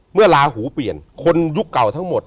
ลาหูเปลี่ยนคนยุคเก่าทั้งหมด